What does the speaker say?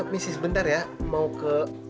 missis bentar ya mau ke